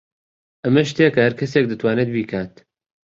ئەمە شتێکە هەر کەسێک دەتوانێت بیکات.